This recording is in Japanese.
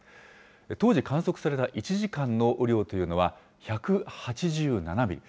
当時、観測された１時間の雨量というのは、１８７ミリ。